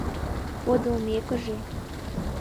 Подылмекыже.